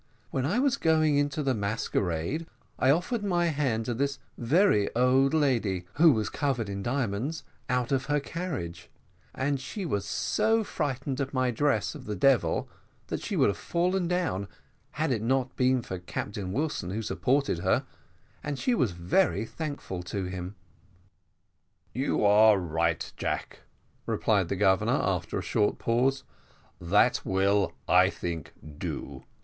"When I was going into the masquerade, I offered to hand this very old lady, who was covered with diamonds, out of her carriage, and she was so frightened at my dress of a devil, that she would have fallen down had it not been for Captain Wilson, who supported her, and she was very thankful to him." "You are right, Jack," replied the Governor, after a short pause; "that will, I think, do.